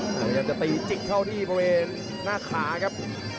พยายามจะตีจิกเข้าที่บริเวณหน้าขาครับ